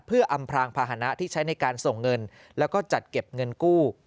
เพื่ออำพรางภาษณะที่ใช้ในการส่งเงินแล้วก็จัดเก็บเงินกู้